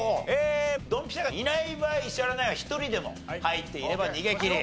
ドンピシャがいない場合石原ナインは１人でも入っていれば逃げきり。